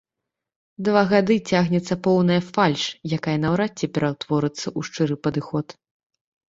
Два гады цягнецца поўная фальш, якая наўрад ці пераўтворыцца ў шчыры падыход.